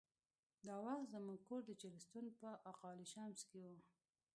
دا وخت زموږ کور د چهلستون په اقا علي شمس کې و.